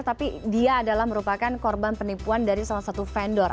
tapi dia adalah merupakan korban penipuan dari salah satu vendor